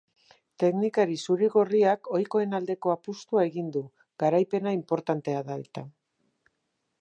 Teknikari zuri-gorriak ohikoen aldeko apustua egin du garaipena inportantea da eta.